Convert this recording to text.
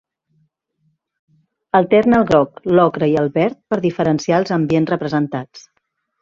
Alterna el groc, l'ocre i el verd per diferenciar els ambients representats.